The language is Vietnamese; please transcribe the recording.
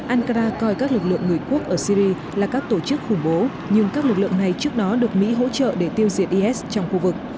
ankara coi các lực lượng người quốc ở syri là các tổ chức khủng bố nhưng các lực lượng này trước đó được mỹ hỗ trợ để tiêu diệt is trong khu vực